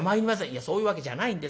「いやそういうわけじゃないんです。